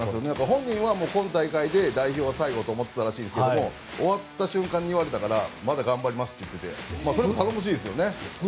本人は今大会で代表は最後と思っていたらしいですけど終わった瞬間に言われたからまだ頑張りますって言っていてそれも頼もしいですね。